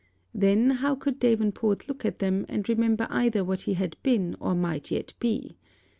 Then, how could Davenport look at them and remember either what he had been or might yet be.